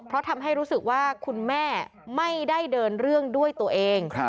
เพราะทำให้รู้สึกว่าคุณแม่ไม่ได้เดินเรื่องด้วยตัวเอง